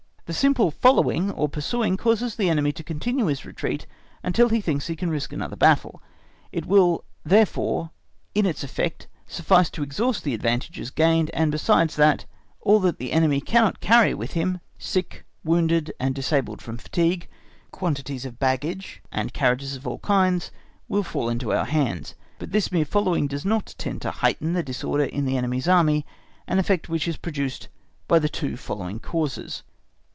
The simple following or pursuing causes the enemy to continue his retreat, until he thinks he can risk another battle. It will therefore in its effect suffice to exhaust the advantages gained, and besides that, all that the enemy cannot carry with him, sick, wounded, and disabled from fatigue, quantities of baggage, and carriages of all kinds, will fall into our hands, but this mere following does not tend to heighten the disorder in the enemy's Army, an effect which is produced by the two following causes.